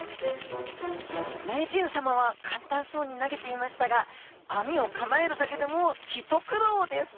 名人さまは簡単そうに投げていましたが網を構えるだけでも一苦労です